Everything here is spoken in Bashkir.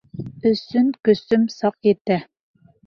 Өсөн көсөм саҡ етә.